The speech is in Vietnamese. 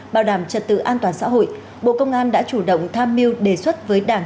bảo đảm trật tự an toàn xã hội bộ công an đã chủ động tham mưu đề xuất với đảng